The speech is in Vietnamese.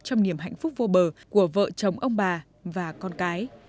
trong niềm hạnh phúc vô bờ của vợ chồng ông bà và con cái